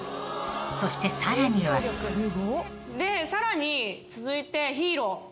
［そしてさらには］でさらに続いて。